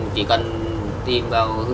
chỉ cần tìm vào